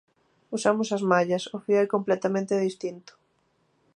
Usamos as mallas, o fío é completamente distinto.